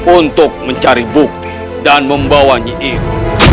untuk mencari bukti dan membawanya itu